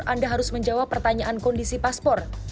anda harus menjawab pertanyaan kondisi paspor